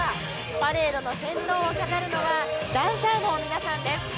パレードの先頭を飾るのはダンサーの皆さんです。